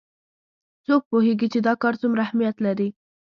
څوک پوهیږي چې دا کار څومره اهمیت لري